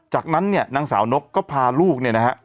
จากนั้นเนี่ยนางสาวนกก็พาลูกเนี่ยนะฮะ